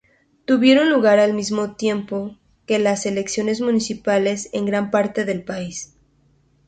Tuvieron lugar al mismo tiempo que las elecciones municipales en gran parte del país.